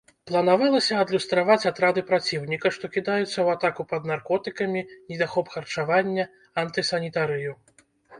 Планавалася адлюстраваць атрады праціўніка, што кідаюцца ў атаку пад наркотыкамі, недахоп харчавання, антысанітарыю.